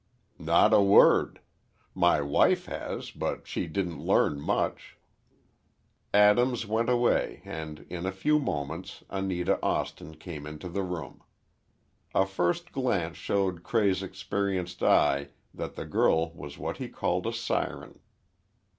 "Not a word. My wife has, but she didn't learn much." Adams went away, and in a few moments Anita Austin came into the room. A first glance showed Cray's experienced eye that the girl was what he called a siren.